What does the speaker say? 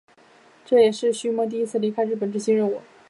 这也是须磨第一次离开日本执行任务。